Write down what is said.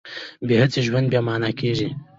بې هڅې ژوند بې مانا کېږي.